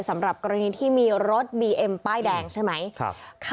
สำหรับกรณีที่มีรถบีเอ็มป้ายแดงใช่ไหม